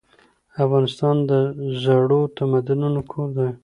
افغانستان د زړو تمدنونو کور دی.